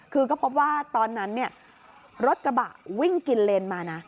คือก็พบว่าตอนนั้นรถกระบะวิ่งกินเลนมานะ